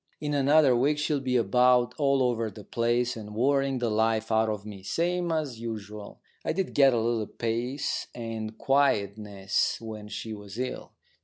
In another week she'll be about, all over the place, and worrying the life out of me, same as usual. I did get a little peace and quietness when she was ill.